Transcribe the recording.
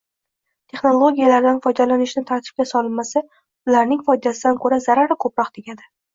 Texnologiyalardan foydalanishni tartibga solinmasa, ularning foydasidan ko‘ra zarari ko‘proq tegadi.